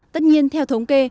tất nhiên theo thống kê